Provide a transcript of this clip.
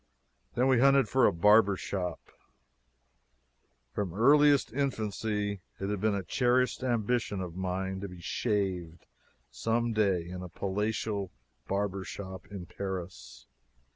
Then we hunted for a barber shop. From earliest infancy it had been a cherished ambition of mine to be shaved some day in a palatial barber shop in Paris.